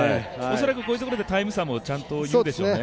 恐らくこういうところでタイム差もちゃんと言うんでしょうね。